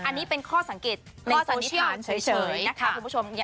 อันนี้เป็นข้อสังเกตในโซเชียลเฉยนะคะคุณผู้ชม